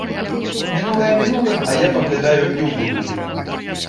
Мінулае мінулым, а паглядаю і ў будучыню.